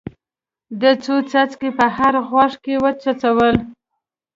ده څو څاڅکي په هر غوږ کې وڅڅول.